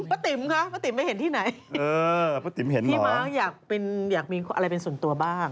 ป๊ะติ๋มคะป๊ะติ๋มไม่เห็นที่ไหนพี่มาร์คอยากมีอะไรเป็นส่วนตัวบ้าง